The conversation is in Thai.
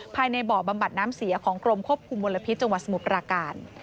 ภายในบ่อบำบัดน้ำเสียของกรมควบคุมมลพิษจังหวัดสมุทรปราการ